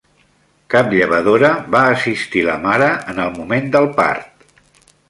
Cap llevadora va assistir la mare en el moment del part.